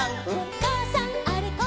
「かあさんあれこれ